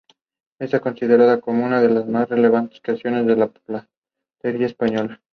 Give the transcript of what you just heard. A veces como condimento para sopas o estofado.